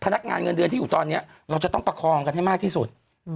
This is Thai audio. เราจะต้องประคองกันให้มากที่สุด